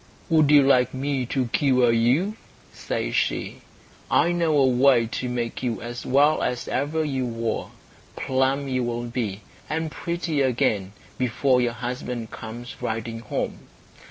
"Would you like me to cure you?" says she. "I know a way to make you as well as ever you were. Plump you will be, and pretty again, before your husband comes riding home."